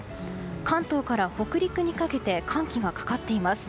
関東から北陸にかけて寒気がかかっています。